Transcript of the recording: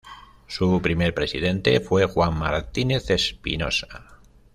Su primer presidente fue Juan Martínez Espinosa.